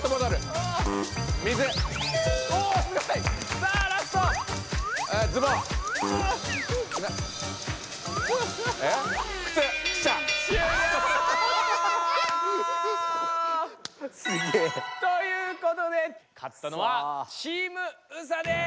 さあラスト！ということで勝ったのはチームＳＡです！